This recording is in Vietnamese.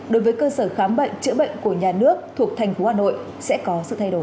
đối với cơ sở khám bệnh chữa bệnh của nhà nước thuộc thành phố hà nội sẽ có sự thay đổi